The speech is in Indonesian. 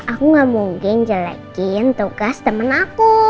aku gak mungkin jelekin tugas temen aku